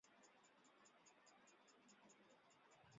他的政治哲学思想甚至影响后来马克思的资本论。